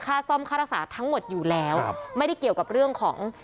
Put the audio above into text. ค่าซ่อมค่ารักษาทั้งหมดอยู่แล้วครับไม่ได้เกี่ยวกับเรื่องของ